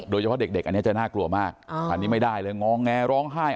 โดยเฉพาะเด็กอันนี้จะน่ากลัวมากอันนี้ไม่ได้เลยงอแงร้องไห้